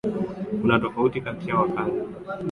Kuna tofauti kati ya wakazi wa Pemba na Unguja